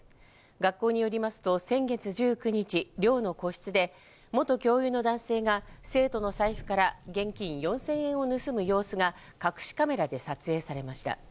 学校によりますと先月１９日、寮の個室で元教諭の男性が生徒の財布から現金４０００円を盗む様子が隠しカメラで撮影されました。